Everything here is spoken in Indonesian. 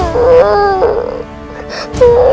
suara siapa itu